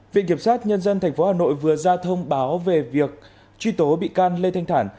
viện kiểm sát nhân dân tp hà nội vừa ra thông báo về việc truy tố bị can lê thanh thản